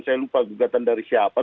saya lupa gugatan dari siapa